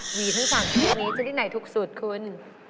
หวีทั้ง๓แบบนี้จะได้ไหนถูกสุดคุณ